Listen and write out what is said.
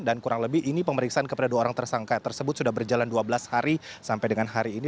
dan kurang lebih ini pemeriksaan kepada dua orang tersangka tersebut sudah berjalan dua belas hari sampai dengan hari ini